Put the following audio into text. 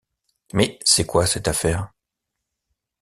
Mais c'est quoi cette affaire.